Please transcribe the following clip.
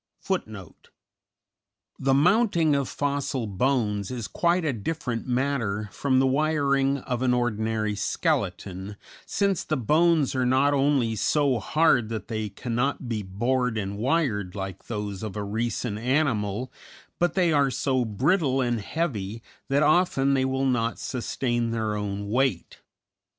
_The mounting of fossil bones is quite a different matter from the wiring of an ordinary skeleton, since the bones are not only so hard that they cannot be bored and wired like those of a recent animal, but they are so brittle and heavy that often they will not sustain their own weight.